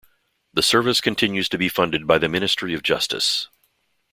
The service continues to be funded by the Ministry of Justice.